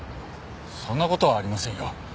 そんな事はありませんよ。